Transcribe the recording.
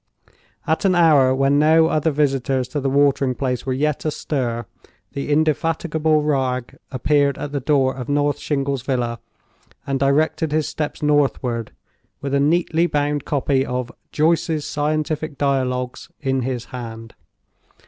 At an hour when no other visitors to the watering—place were yet astir, the indefatigable Wragge appeared at the door of North Shingles Villa, and directed his steps northward, with a neatly bound copy of "Joyce's Scientific Dialogues" in his hand.